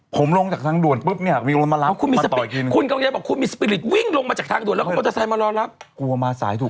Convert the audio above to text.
ผมลงจากทางด่วนปุ๊บเนี้ยเรียกรถมารับแล้วคุณมีคุณกำลังจะบอกคุณมีสปิริตวิ่งลงมาจากทางด่วนแล้วคุณมอเตอร์ไซต์มารอรับ